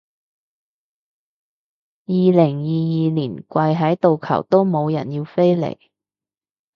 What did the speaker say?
二零二二年跪喺度求都冇人要飛嚟